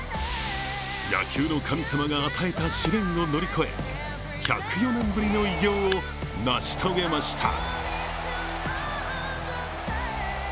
野球の神様が与えた試練を乗り越え１０４年ぶりの偉業を成し遂げました